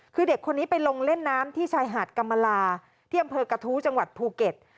คือเด็กคนนี้ไปลงเล่นน้ำที่ชายหาดกรรมลาที่อำเภอกระทู้จังหวัดภูเก็ต